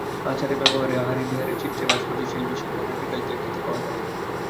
আচারে-ব্যবহারে, আহারে-বিহারে, চিত্রে-ভাস্কর্যে সেই বিশেষ ভাবের বিকাশ দেখতে পাওয়া যায়।